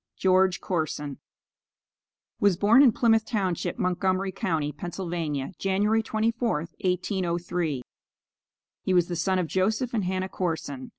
GEORGE CORSON Was born in Plymouth township, Montgomery county, Pennsylvania, January 24th, 1803. He was the son of Joseph and Hannah Corson.